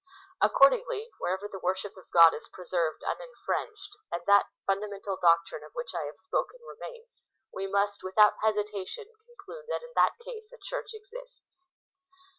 Accordingly, wherever the worship of God is preserved un infringed, and that fundamental doctrine, of which I have 52 COMMENTARY ON THE CHAP. I. 2. spoken, remains, we must witliout hesitation conclude that in that case a Church exists.